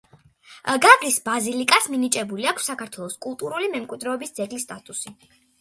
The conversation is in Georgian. გაგრის ბაზილიკას მინიჭებული აქვს საქართველოს კულტურული მემკვიდრეობის ძეგლის სტატუსი.